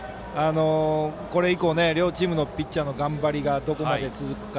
これ以降、両チームのピッチャーの頑張りがどこまで続くか。